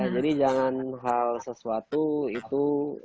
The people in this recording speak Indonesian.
jadi jangan hal sesuatu itu